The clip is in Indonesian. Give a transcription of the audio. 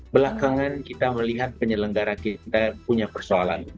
belakangan kita melihat penyelenggara kita punya persoalan